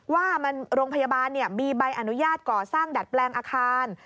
ว่าโรงพยาบาลมีใบอนุญาตก่อสร้างดัดแปลงอาคาร